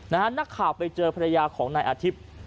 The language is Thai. นักข่าวไปเจอภรรยาของนายอาทิตย์